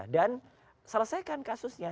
dan selesaikan kasusnya